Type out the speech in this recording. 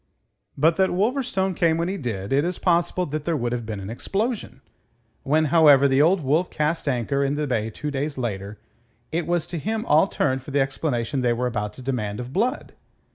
But that Wolverstone came when he did, it is possible that there would have been an explosion. When, however, the Old Wolf cast anchor in the bay two days later, it was to him all turned for the explanation they were about to demand of Blood.